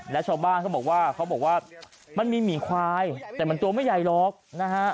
และชาวบ้านเขาบอกว่าเขาบอกว่ามันมีหมีควายแต่มันตัวไม่ใหญ่หรอกนะฮะ